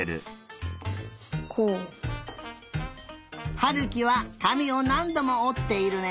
悠貴はかみをなんどもおっているね。